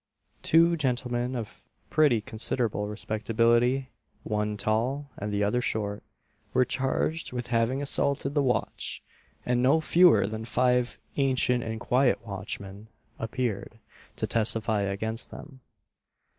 Two gentlemen of pretty considerable respectability one tall, and the other short were charged with having assaulted the watch; and no fewer than five "ancient and quiet watchmen" appeared, to testify against them.